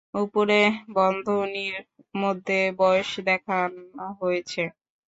উপরে বন্ধনীর মধ্যে বয়স দেখান হয়েছে।